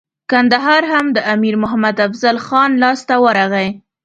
کندهار هم د امیر محمد افضل خان لاسته ورغی.